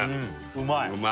うまい！